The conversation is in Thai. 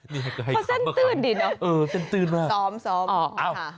นี่ก็ให้ค้ำก่อนค่ะสอมอ่าว